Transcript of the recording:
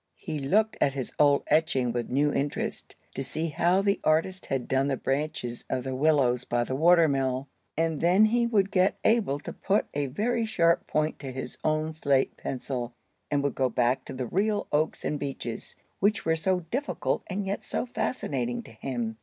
He looked at his old etching with new interest, to see how the artist had done the branches of the willows by the water mill. And then he would get Abel to put a very sharp point to his own slate pencil, and would go back to the real oaks and beeches, which were so difficult and yet so fascinating to him.